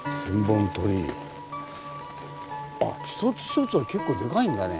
一つ一つは結構でかいんだね。